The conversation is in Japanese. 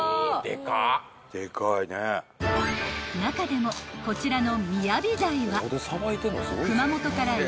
［中でもこちらの］